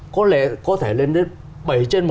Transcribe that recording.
có thể lên đến bảy trên một